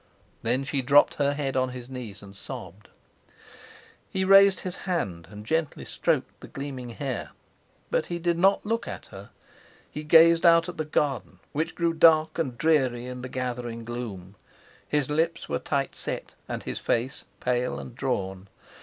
Then she dropped her head on his knees and sobbed. He raised his hand and gently stroked the gleaming hair. But he did not look at her. He gazed out at the garden, which grew dark and dreary in the gathering gloom. His lips were tight set and his face pale and drawn.